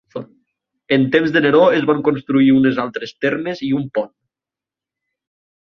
En temps de Neró es van construir unes altres termes i un pont.